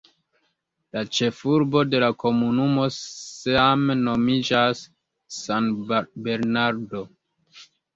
La ĉefurbo de la komunumo same nomiĝas "San Bernardo".